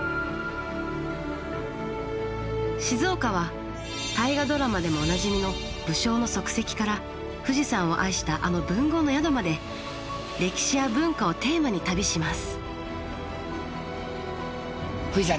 静岡は「大河ドラマ」でもおなじみの武将の足跡から富士山を愛したあの文豪の宿まで歴史や文化をテーマに旅します。